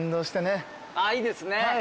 ああいいですね。